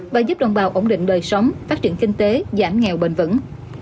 và giúp đồng bào ổn định đời sống phát triển kinh tế giảm nghèo bền vững